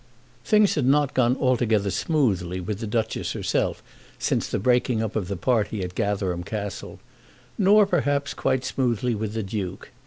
Things had not gone altogether smoothly with the Duchess herself since the breaking up of the party at Gatherum Castle, nor perhaps quite smoothly with the Duke.